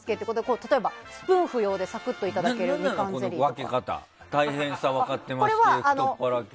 例えば、スプーン不要でサクッといただけるみかんゼリーとか。